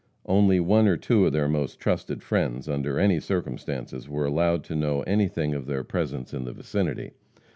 Only one or two of their most trusted friends, under any circumstances, were allowed to know anything of their presence in the vicinity.